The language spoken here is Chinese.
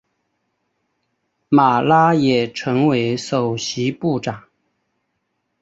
马拉也成为首席部长。